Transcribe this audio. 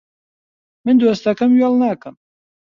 من دۆستەکەم وێڵ ناکەم